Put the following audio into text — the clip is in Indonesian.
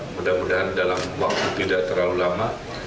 mudah mudahan dalam waktu tidak terlalu lama